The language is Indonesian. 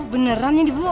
beneran ini bu